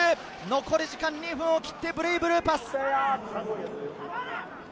残り時間２分を切ってブレイブルーパス。